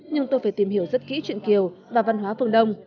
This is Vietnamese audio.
nhưng tôi phải tìm hiểu rất kỹ chuyện kiều và văn hóa phương đông